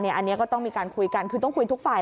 อันนี้ก็ต้องมีการคุยกันคือต้องคุยทุกฝ่าย